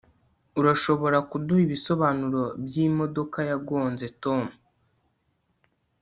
urashobora kuduha ibisobanuro byimodoka yagonze tom